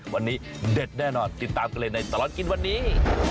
วันนี้เด็ดแน่นอนติดตามกันเลยในตลอดกินวันนี้